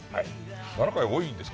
７回は多いですか？